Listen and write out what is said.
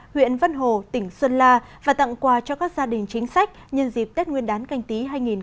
huyện vân hồ tỉnh sơn la và tặng quà cho các gia đình chính sách nhân dịp tết nguyên đán canh tí hai nghìn hai mươi